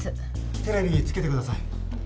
テレビつけてください。